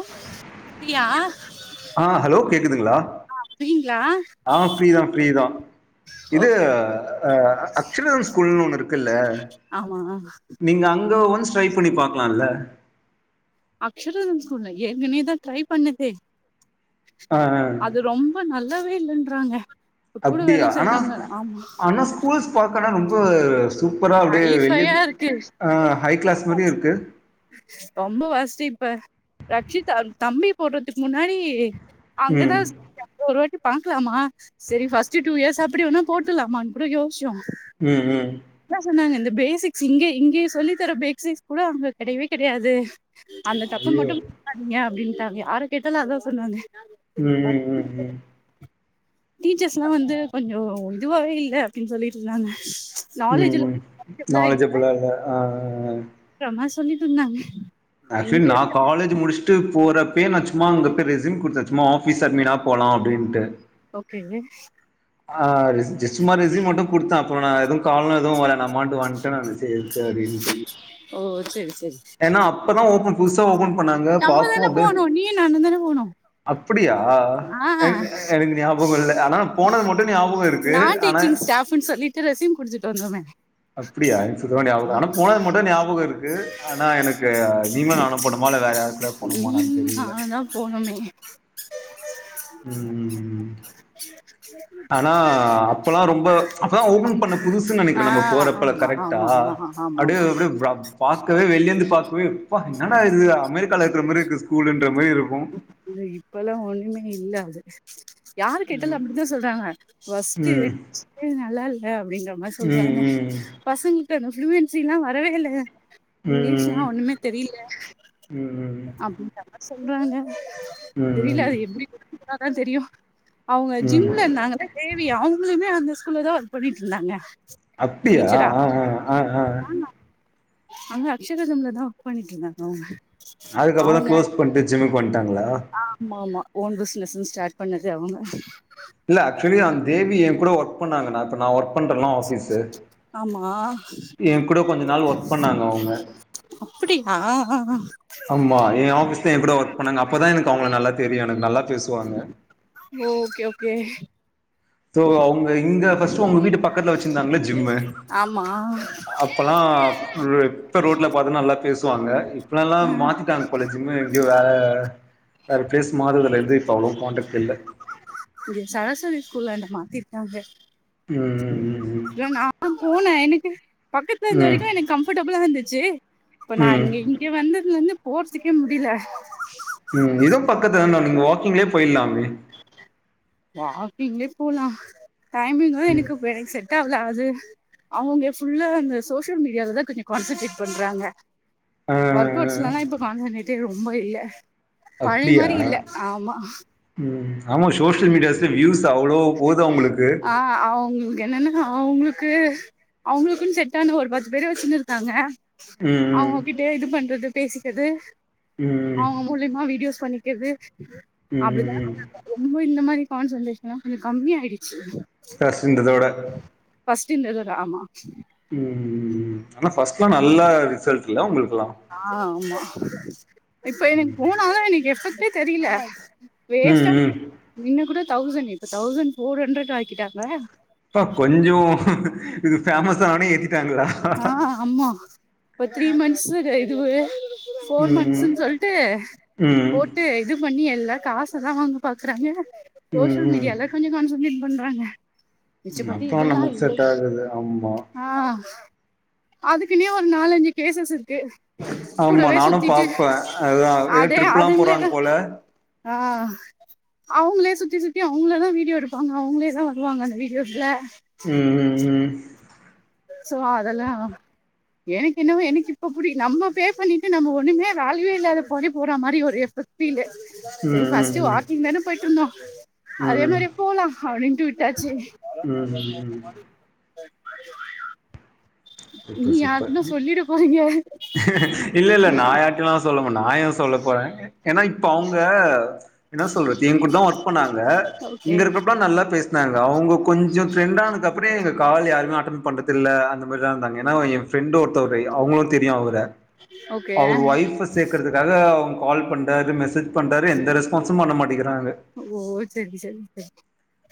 ஃப்ரீயா ஆ ஹலோ கேக்குதுங்ளா ஃப்ரீங்களா ஆ ஃப்ரீதா ஃப்ரீதா இது ஓகே அ அக்சனன் ஸ்கூல்னு ஒண்ணு இருக்குல்ல ஆமா நீங்க அங்க ஒன்ஸ் ட்ரைப் பண்ணி பாக்கலா இல்ல அக்சதன் ஸ்கூல்ல ஏற்கனவே தா ட்ரை பண்ணதே ஆ ஆ அது ரொம்ப நல்லாவே இல்லன்றாங்க கூட அப்டியா வேல ஆனா செய்றவங்க ஆமா ஆனா ஸ்கூல்ஸ் பாக்கனா ரொம்ப சூப்பரா அப்டியே வெளியந் ஹைஃபையா இருக்கு ஆ ஹை கிளாஸ் மாரியே இருக்கு ரொம்ப வசதி இப்ப ரக்ஷிதா தம்பி போடுறதுக்கு முன்னாடி ம் அங்கதா ஸ் ஒருவாட்டி பாக்கலாமா செரி ஃபர்ஸ்ட்டு டூ இயர்ஸ் அப்டி வேணா போட்டுலாமான்னு கூட யோச்சோ ம் ம் என்ன சொன்னாங்க இந்த பேசிக்ஸ் இங்க இங்கேயே சொல்லி தர பேசிக்ஸ் கூட அங்க கெடையவே கெடையாது அந்த தப்பு ஐயோ மட்டு பண்ணாதீங்க அப்டின்ட்டாங்க யார கேட்டாலு அதா சொன்னாங்க ம் ம் ம் ம் டீச்சர்ஸ் எல்லா வந்து கொஞ்சோ இதுவாவே இல்ல அப்டின்னு சொல்லிட்ருந்தாங்க ம் ம் நாலேஜ்ஜுபிளா இல்ல அ அ அ சொன்னா சொல்லிட்டு இருந்தாங்க ஆக்சுவலி இங்க நா காலேஜ் முடிச் ட்டு போறப்பயே நா சும்மா அங்க போய் ரெசூம் குடுத்தே சும்மா ஆபீஸ் அட்மீனா போலா அப்டின்ட்டு ஓகே ஆ ஜஸ்ட் மா ரெசி மட்டு குடுத்த அப்ப நா எதுவு [unintelligible] எதுவு வேணாம்மாண்டு வன்ட்டே நானு சேரி எதுக்கு அப்டின்ட்டு ஓ செரி செரி ஏனா அப்பதா ஓபன் புதுசா ஓபன் பண்ணாங்க நம்ம பாக்கவு தான அப்டியே போனோ நீயு நானு தான போனோ அப்டியா ஆ எனக் எனக்கு ஞாபகம் இல்ல ஆனா போ போனது மட்டு ஞாபகோ இருக்கு ஆனா ஸ்டாஃபுன் சொல்லிட்டு ரெஸ்யும் குடுத்துட்டு வந்துருவ அப்டியா எனக்கு சுத்தமா ஞாபகோ ஆனா போனது மட்டு ஞாபகோ இருக்கு ஆனா எனக் அ நீங்களு நானு போணமா இல்ல வேற யாரு கூடயா நீ போணமா என்னனு தெரியல நானுந்தா போனோமே ம் ஆனா அப்பல்லா ரொம்ப அப்பதா ஓபன் பண்ண புதுசுன்னு ஆ நினைக்கிறே நம்ம போறப்ப ஆமா கரெக்ட்டா ஆமா ஆமா ஆமா அப்டி ஆமா அப்டியே ப்ரப் பாக்கவே வெளியேந்து பாக்கவே ப்பா என்னடா இது அமெரிக்கால இருக்கிற மாரி இருக்கு ஸ்கூலுன்ற மாரி இருக்கு அ இப்பல்லா ஒன்னுமே இல்ல அது யாரு கேட்டாலு ம். அப்படி தா சொல்றாங்க ஃவொஸ்ட்டு ம். சிக்கன் நல்லா இல்ல அப்டிங்கற மாரி சொல்றாங்க ம். ம். பசங்க கு அந்த ப்ளுயன்சில்லா வரவே இல்லய இங்லீஷ்லா ஆனா ம். ஒண்ணுமே தெரில ம். அப்டிங்கிற மாரி சொல்றாங்க தெரில ம். அது எப்டி [unintelligible] தான் தெரியு அவங்க ம். ஜிம்ல இருந்தாங்கல்ல தேவி அவங்களுமே அந்த ஸ்கூல்ல தா ஒர்க் பண்ணிட்டு இருந்தாங்க அப்டியா டீச்சரா ஆ ஆ ஆ ஆ அங்க அக்ஷலா தா ஒர்க் பண்ணிட்டு இருந்தாங்க அவங்க அதுக்கப்புறம் தான் அவுங்க க்ளோஸ் பண்ட்டு ஜிம்முக்கு வன்டாங்ளா ஆமாமா ஓன் பிஸ்னஸ்ன் ஸ்டாட் பண்ணதே அவங்க இல்ல ஆக்சுவலி அந்த தேவி எ கூட ஒர்க் பண்ணாங்க நா இப்ப நா ஒர்க் பண்றல ஆஃபீஸு ஆமா ஏ கூட கொஞ்ச நாள் ஒர்க் பண்ணாங்க அவங்க அப்படியா ஆம்மா எ ஆபிஸ்ல எ கூட ஒர்க் பண்ணாங்க அப்பதா எனக்கு அவங்கள நல்லா தெரியு எனக்கு நல்லா பேசுவாங்க ஓகே ஓகே தோ அவங்க இங்க ஃபஸ்ட்டு ஒங்க வீட்டு பக்கத்துல வச்சிருந்தாங்கள ஜிம்மு ஆமா அப்போலா எப்போ ரோட்ல பாத்தா நல்லா பேசுவாங்க இப்பலா ஆ மாத்திட்டாங்க பலய ஜிம்மு எங்கோ வே வேற ப்ளேஸ் மாறதுல இருந்து இப்ப அவ்ளோ கான்டக்ட் இல்ல இங்க சரஸ்வதி ஸ்கூல்ல என்ன மாத்திருக்காங்க ம் ம் இல்ல நா ஆ போன எனக்கு பக்கத்துல இருந்த ம் வரைக்கு எனக்கு கம்ஃபர்டபிளா இருந்துச்சு இப்ப நா ம் ம் இங்க இங்க வந்ததுல இருந்து போற்துக்கே முடில ம் இதுவு பக்கத்து தான நீங்க வாக்கிங்லே போய்லாமே வாக்கிங்லே போலா டைமிங்தா ம் எனக்கு வே செட் டாவ்ல அது அவவங்க ஃபுல்லா அந்த சோசியல் மீடியாலதா கொஞ்சோ கான்சன்ட்ரேட் பண்றாங்க ஆ ஒர்க் அவுட்ஸ்லலா இப்ப கான்சென்ட்ரேட்டே ரொம்ப இல்ல பழைய அப்டியா மாரி இல்ல ஆமா ம் ஆமா சோசியல் மீடியாஸ்ல வ்யூஸ் அவ்ளோ போது அவங்களுக்கு ஆ அவங்குளுக்கு என்னன்னா அவங்குளுக்கு அவங்களுக்குன் செட்டான ஒரு பத்து பேர வச்சுனுருக்காங்க ம் ம் அவங்ககிட்ட இது பண்றது பேசிக்கது ம் மூலியமா வீடியோஸ் பண்ணிக்கிறது ம் அப்டி ம் தா ம் [unintelligible] ரொம்ப இந்த மாரி கான்சென்ட்ரேஷன்ல்லா கொஞ்சோ கம்மி ஆய்டுச்சு ஃபஸ்ட் இருந்ததோட ஃபஸ்ட்டு இந்ததோட ஆமா ம் ம் ம் ஆனா ஃபர்ஸ்ட்லா நல்ல ரிசல்ட் இல்ல உங்களுக்குல்லா ஆ ஆமா இப்ப எனக்கு போனாலு எனக்கு எஃபக்டே தெரியல ம் வேஸ்ட் ம் இன்ன கூட தௌசண்ட் இப்ப தௌசண்ட் போர் ஹண்ட்ரட் ஆக்கிட்டாங்க அப்பா கொஞ்சோ இது ஃபேமஸ் ஆனவுட்னே ஏத்திட்டாங்களா ஆம்மா இப்ப த்ரீ மந்ஸ் இதுவு ஃபோர் ம் மந்ஸ்ன்னு சொல்ட்டு ம் போட் டு இது பண்ணி எல்லா காசுதா வாங்க பாக்குறாங்க ம் சோசியல் ம் மீடியால கொஞ்சோ கான்சன்ட்ரேட் பண்றாங்க மிச்சபடி அப்ப இதெல்லா நமக்கு இல்லை செட் ஆகாது ஆமா அதுக்குனே ஒரு நாலஞ்சு கேசஸ் இருக்கு ஆமா கூடவே நானு சுத்திட்டு பாப்பே அதா ஏதோ அதே ட்ரிப்லா போறாங்க அதுங்களே போல ஆ அவுங்களே சுத்தி சுத்தி அவங்களதா வீடியோ எடுப்பாங்க அவங்களே தா வருவாங்க அந்த வீடியோவ்ல ம் ம் சோ அதெல்லா எனக்கு என்னவே எனக்கு இப்ப இப்புடி நம்ம பே பண்ணிட்டு நம்ம ஒண்ணுமே வேல்யுவே இல்லாதப் பணி போற மாரி ஒரு எஃபெக்ட் ஃபீலு ம் ம் சேரி ஃபஸ்ட் ம் வாக்கிங் தானே போயிட்டு இருந்தோ அதே ம் மாரி போலாம் அப்டின்டு விட்டாச்சு ம் ம் ம் நீ புறப்டாச்சு இப்ப யாருன்னு சொல்லிட போறீங்க இல்ல இல்ல நா யார்ட்டையூ சொல்ல மாட்டே நா யேன் சொல்ல போறே ஏன்னா இப்ப அவுங்க என்ன சொல்றத்து ஏங் கூட தா ஒர்க் பண்ணாங்க ஓகே இங்க இருக்கிறப்போ நல்லா பேசினாங்க அவுங்க கொஞ்சோ ட்ரெண்டானதுக்கு அப்புறோ எங்க கால யருமே அட்டன்பன்றது இல்ல அந்த மாரி இப்பட்லா இருந்தாங்க ஏன்னா என் பிரெண்ட் ஒருத்தவ்ரு அவங்களும் தெரியு அவர ஓகே அவர் ஒய்ப் சேக்கறதுக்காக அவங் கால் பண்றாரு மெசேஜ் பண்றாரு எந்த ரெஸ்பான்ஸும் பண்ண மாட்டேங்கிறாளு ஓ சேரி செரிங் செரிங்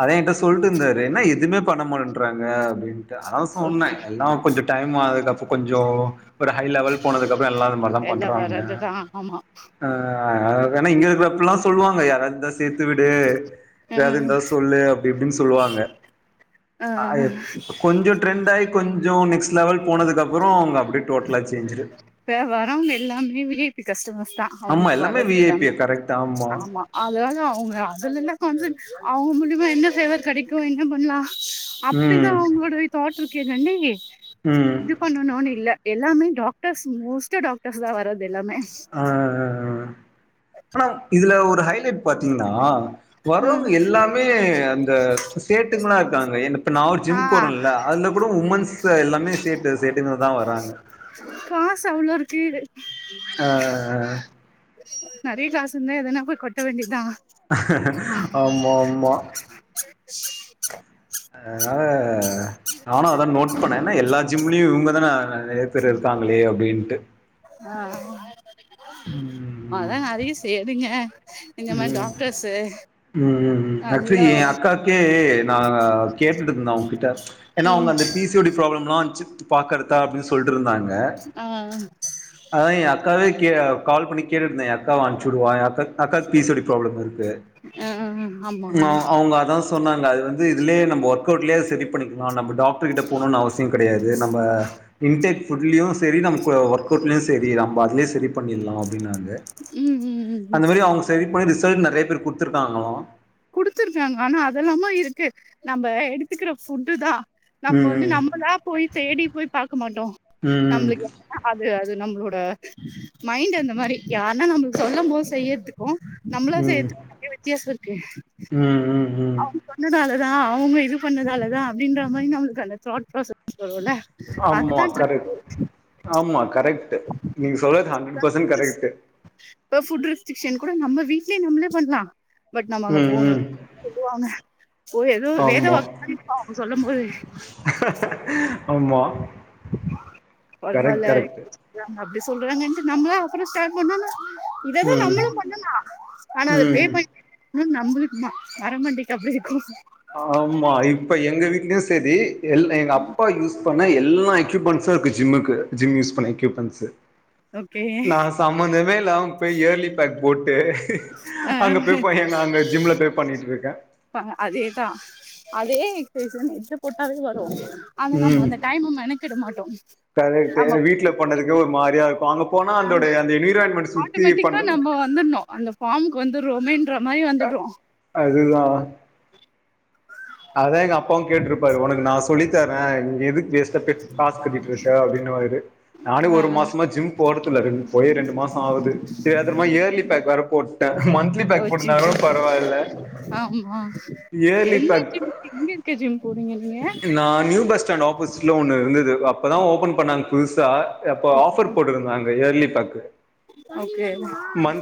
அதா என்கிட்ட சொல்ட்டு இருந்தாரு என்னா எதுவுமே பண்ண மாட்டேறாங்க அப்டின்னு அதா ஓகே சோன்னே எல்லாம் கொஞ்ச டைம் அதுக்கப்ப கொஞ்சோ அப்றம் ஹை லெவல் போனதுக்கப்புற எல்லா இந்த மாரிதா பண்றாங்க அ ஆமா ஆ அதென்னா இங்க இருக்கிறப்பல்லா சொல்லுவாங்க யாராவது இருந்தா சேர்த்து விடு ஏதாவது அஹ் இருந்தா இது அப்டி இப்டின்னு சொல்லுவாங்க அஹ் ஆயத் கொத் கொஞ்சோ ட்ரெண்ட் ஆயி கொஞ்சோ நெக்ஸ்ட் லெவல் போனதுக்கப்புற அவங்க அப்டியே டோட்லா சேஞ்சுடு இப்ப வர்க்க எல்லாமே விஐபி கஷ்டமர்ஸ் தா ஆம்மா எல்லாமே விஐபி கரெக்டா தா ஆமா அதனால அவங்க அதுல என்ன கான்சென் அவுங்க மூலியமா என்ன சேவை கிடைக்கு என்ன பண்ணலா அப்டிதா ம் அவங்களோட தாட் இருக்கேகண்டி ம் பண்ணணோம்ன்னு இல்ல எல்லாமே டாக்டர்ஸ் மோஸ்ட் டாக்டர்ஸ் தா வர்றது எல்லாமே ஆ அனா இதுல ஒரு ஹைலைட் பாத்தீங்கன்னா ம் வர்றவங்க எல்லாமே அந்த சேட்டுங்களா இருக்காங்க என்ப் இப்ப நா ஒரு ஆ ஜிம் போறேன்ல அதுல கூட உமன்ஸ் எல்லாமே சேட்டு சேட்டுங்கதா வராங்க காசு அவ்ளே இருக்கு அ நெறய காசு இருந்தா எதனா போய் கொட்ட வேண்டியத்தா ஆமா ஆமா ச [inaudible] அத்னால அ நானு அததா நோட் பண்ணே என்னா எல்லா ஜிம்லயு இவுங்கதான நறைய போர் இருப்பாங்களே அப்டின்ட்டு ஆ ம் அத்தாங்க அதையு சேரிங்க ம் ம் ம் ம் ஆச்சுவ்லி நல்லா எ அக்காக்கு நா கேட்டுட் இருந்த அவுங்கிட்ட எனா அவுங்க ம் அந்த பி சு ஒடிய ப்ராப்ளம்லா சிப்ட் பாக்குறதா அப்டி சொல்ட்ருந்தாங்க அ ஆ அதா எ அக்காவே கே கால் பண்ணி கேட்டுட்டு இருந்த எ அக்காவ அனுப்சுடுவா எ அக்காக் அக்காக் பி சோடி ப்ராப்ளம் இருக்கு ம் ஆமா அவங்க அதா சொன்னாங்க அது வந்து இதுலயே நம்ம ஒர்க் அவுட்லயே அது சரி பண்ணிக்லா நம்ம டாக்ட்ருகிட்ட போணுன் அவசியோ கடையாது நம்ம இன்டேக் ஃபுட்லியு சேரி நமக்கு ஒர்க் அவுட்லயு சேரி நம்ம அதுலயே செரி பண்ணிட்லா அப்டின்னாங்க ம் ம் ம் அந்தமாரி அவுங்க செரி பண்ணி ரிசெல்ட் நறைய பேர்க் குடுத்துருக்காங்களா குடுத்துருக்காங்க ஆனா அதெல்லாம இருக்கு நம்ம எடுத்துக்குற ஃபுட்டுதா நம்ம வந்து ம் நம்மளா போய் தேடி போய் பாக்க மாட்டோ ம் நம்ளுக்கு அது அது நம்மளோட மைண்ட் அந்தமாரி யார்ன்னா நம்ளுக் சொல்லும்போது செய்யற்து நம்மளா ம் செய்றதுக்கு நறைய வித்யாசோருக்கு ம் ம் ம் இது பண்ணதாலதா அவுங்க இது பண்ணதாலதா அப்டின்றமாரி நம்மளுக்கு அந்த தாட்ப்ராசஸ் வருல்ல ஆமா அதுதா கரெக்ட் ஆமா கரெக்ட் நீங்க சொல்றது ஹண்ரட் பர்சன்ட் கரெக்ட்டு இப்ப ஃபுட் ரெஸ்ட்ரிக்க்ஷன்கூட நம்ம வீட்லயே நம்ளே பண்லா பட் நம்ம அங்க ம் போனோனே ம் சொல்லுவாங்க ஒரு எதோ வேத ஆமா வாக்குமாரி இருக்கு அவுங்க சொல்லமோது ஆமா கரெக்ட் பரவால்ல இப்டி கரெக்ட் செல்றாங்க அப்டி சொல்றாங்கன்டு நம்ளா அப்றோ ஸ்டாட் பண்ணோனா இததா ம் நம்மளு பண்ணோனா ஆனா அத பே ம் பண்ணி ம் நம்பழுக்கு ம மரமண்டைக்கு அப்டி இருக்கு ஆமா இப்ப எங்க வீட்லயு சேரி எல் எங்க அப்பா யூஸ் எல்லா எக்யூப்மென்ஸு இருக்கு ஜிம்முக்கு ஜிம் யூஸ் பண்ண எக்யூப்மென்ஸு ஓகே நா சம்பந்தமே இல்லாம போய் இயர்லி பேக் போட்டு அங்க போய் பயங் அங்க ஜிம்ல போய் பண்ணிட்ருக்கே பாருங்க அதேதா அதே எக்சைஸு நீங்க இத்ல போட்டாவே வரு ஆனா நம்ம ம் அந்த டைம மெனக்கெட மாட்டோ நம்ம இல்ல ஒருமாரியா இருக்கு அங்க போனா அந்துடைய அந்த நீர ஆட்டோமேட்டிக்கா நம்ம வந்துட்னு அந்த ஃபாமுக்கு வந்தரோமேன்றமாரி வந்துட்ரோ அதுதா அதா எங்க அப்பாவு கேட்ருப்பாரு உனக்கு நா சொல்லி தரே நீ எதுக்கு வேஸ்ட்டா போய் காஸ் கட்டிட்ருக்க அப்டினுவாரு நானு ஆ ஒரு மாசமா ஜிம் போறதில்ல ரெண் போயே ரெண்டு மாசோ ஆவுது தெரியாதனமா இயர்லி பேக் வேர போட்டே மந்த் ஓ செரி செரி ஆமா இயர்லி என்ன பேக் ஜிம் எங்க இருக்க ஜிம் கூடுங்கனே நா நியூ பஸ்டாண்ட் ஆப்போசிட்ல ஒன்னு இருந்தது அப்பதா ஓபன் பண்ணாங்க புதுசா எப்போ ஆஃபர் போட்ருந்தாங்க early pack okay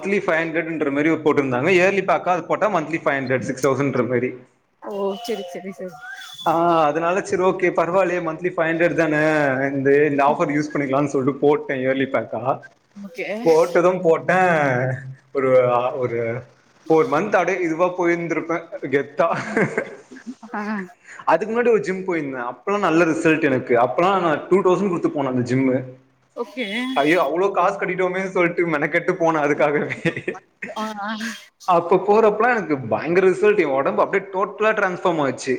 early by ஜண்ரட்ன்ற மாரி போட்டுருந்தாங்க இயர்லி பேக்கா போட்ட மந்த்லி பைவ் ஹண்ரடு சிக்ஸ் தௌஸ்சன்ற மாரி ஓ சரி சரி சரி ஆ அதனால செர் ஓகே பரவாயில்லயே மந்த்லி பைவ் ஹண்ட்ரடு தான இந்தே இந்த ஆபர்ஸ் யூஸ் பண்ணிக்கலாம்னு சொல்டு போட்டே இயர்லி பேக்கா ஓகே போட்டது போட்ட ஒரு ஒரு ஃபோர் மந்த் அட இதுவா போயிருந்திருப்பே கெத்தா [unintelligible] ஆ அதுக்கு முன்னாடி ஒரு ஜிம் போயிருந்தே அப்பல்லா நல்ல ரிசல்டு எனக்கு அப்பல்லா நா டூ தௌசண்ட் குடுத்து போன அந்த ஜிம்மு ஓகே அய்யோ அவ்ளோ காசு கட்டிடோமே சொல்ட்டு மெனக்கெட்டு போனே அதுக்காகவே ஆ அப் இப்ப போறப்ப எனக்கு பயங்ற ரிசல்டு எ உடம்பு அப்டியே டோட்டலா டிரான்ஸ்ஃபாம் ஆச்சு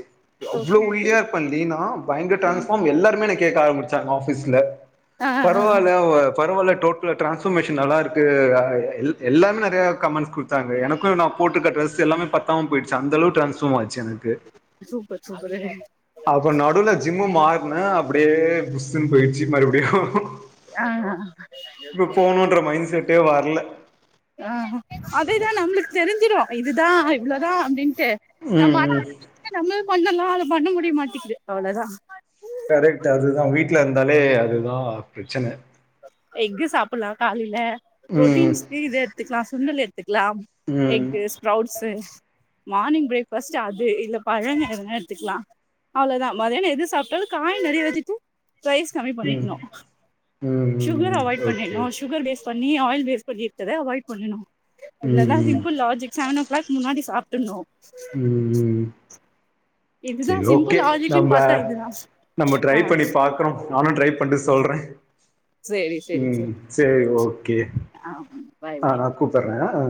அவ்ளோ ஓகே ஒள்ளியா இருப்பன்டி நா பயங்ர டிரான்ஸ்ஃபாம் எல்லாருமே கேக்க ஆரம்பிச்சாங்க ஆஃபீஸ்ல ஆ ஆ பரவால்ல ஓ பரவால்ல டோட் டு டிரான்ஸ்பர்மேஷன் நல்லா இருக்கு எல்லாமே நெறைய கமெண்ட்ஸ் குடுத்தாங்க எனக்கும் நான் போட்டுக்க டிரஸ் எல்லாமே பத் தாம போய்டிச்சு அந்தளவு டிரான்ஸ்ஃபாம் ஆச்சு எனக்கு சூப்பர் சூப்பருங்க அப்றோ நடுல ஜிம்மு மாறன அப்டியே புஸ்ன்னு போயிடுச்சு மறுபடியும் ஆ இப்ப போணுன்ற மைண்ட் செட்டே வர்ல ஆ அதேதான் நம்ளுக்கு தெரிஞ்சிடும் இதுதான் இவ்ளோதான் அப்டின்ட்டு நம்ம ம் ஆனா ம் நம்மளு பண்ணனு அத பண்ண முடிய மாட்டேக்குது அவ்ளோ‌ தான் கரெக்ட் அது தான் வீட்ல இருந்தாலே அது தான் பிரச்சன எக்கு சாப்பிட்லா காலைல ம் புரோட்டீன்ஸுக்கு இத எடுத்துக்கலா சுண்டல் எடுத்துக்கலா ம் egg sprouts morning breakfast அது இல்ல பழங்க எதுனா எடுத்துக்கலா அவ்ளோதான் மதியானம் எது சாப்ட்டாலும் காய் நெறைய வச்சுட்டு ரைஸ் கம்மி ம் பண்ணிக்கணு ம் சுகர் ம் அவாய்ட் ஓகே பண்ணிருணு சுகர் வேஸ்ட் பண்ணி ஆயில் வேஸ்ட் பண்ணி எடுத்ததே அவாய்ட் பண்ணனு ம் இல்லனா ம் சிம்பிள் லாஜிக் சவனா க்ளாக் முன்னாடி சாப்டணு ம் ம் இதுதா செரி சிம்பிள் ஓகே லாஜிக்குன் நம்ம பாத்தா இதுதா நம்ம ட்ரை ஆ பண்ணி பாக் குறோ நானும் ட்ரை பண்ட்டு சொல்றேன் சேரி சேரி சேரி ம் சேர் ஓகே ஆ பாய் ஆ பாய் நான் கூப்பற ஆ